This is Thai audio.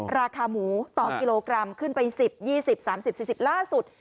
ราคาหมูต่อกิโลกรัมขึ้นไป๑๐๒๐๓๐๔๐ล่าสุด